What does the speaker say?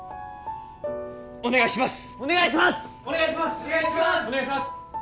お願いします！